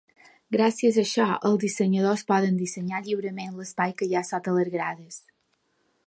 Gràcies a això els dissenyadors poden dissenyar lliurement l'espai que hi ha sota les grades.